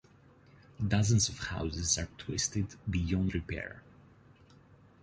Dozens of houses are twisted beyond repair.